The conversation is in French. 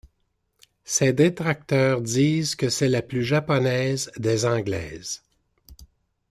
Ses détracteurs disent que c'est la plus japonaise des anglaises.